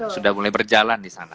sudah mulai berjalan di sana